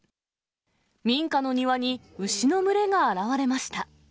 民家の庭に牛の群れが現われました。